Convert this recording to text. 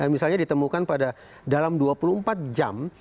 misalnya ditemukan pada dalam dua puluh empat jam